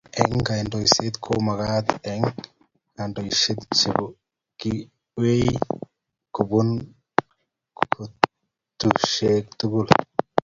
Eng' kandoiset ko magat eng' kandoik che kikwei kobunu kotushek tugul